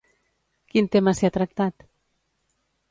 Quin tema s'hi ha tractat?